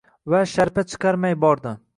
Va sharpa chiqarmay bordi